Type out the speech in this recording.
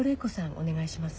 お願いします。